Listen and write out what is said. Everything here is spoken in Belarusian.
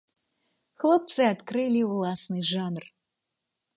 Хлопцы адкрылі ўласны жанр.